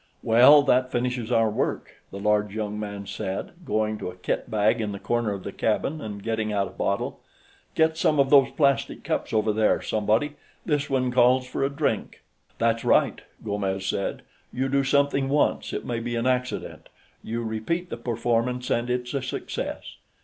"Well, that finishes our work," the large young man said, going to a kitbag in the corner of the cabin and getting out a bottle. "Get some of those plastic cups, over there, somebody; this one calls for a drink." "That's right," Gomes said. "You do something once, it may be an accident; you repeat the performance, and it's a success."